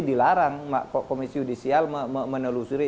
dilarang komisi yudisial menelusuri